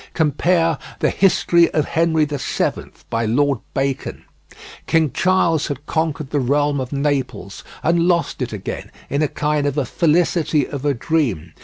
Cf. "The History of Henry VII," by Lord Bacon: "King Charles had conquered the realm of Naples, and lost it again, in a kind of a felicity of a dream.